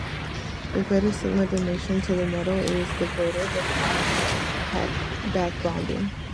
The greater the sigma donation to the metal is, the greater the pi-backbonding.